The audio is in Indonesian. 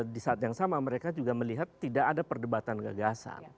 di saat yang sama mereka juga melihat tidak ada perdebatan gagasan